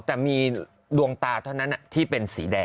แต่มีดวงตาเท่านั้นที่เป็นสีแดง